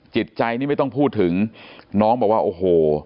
จิตใจนี่ไม่ต้องพูดถึงน้องบอกว่าโอ้โห